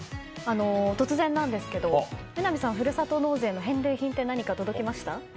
突然なんですけど榎並さん、ふるさと納税の返礼品って何か届きました？